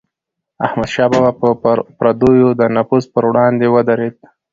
احمدشاه بابا به د پردیو د نفوذ پر وړاندې ودرید.